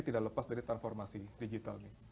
tidak lepas dari transformasi digital nih